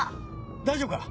大丈夫か？